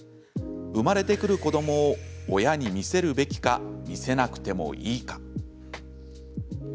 生まれてくる子どもを親に見せるべきか見せなくてもいいか。